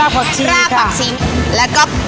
ซอสปรุงโลด